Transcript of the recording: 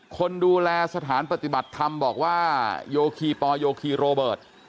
คนดูแลสถานปฏิบัติธรรมบอกว่าโยคีปอลโยคีโรเบิร์ต